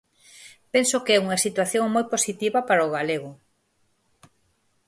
Penso que é unha situación moi positiva para o galego.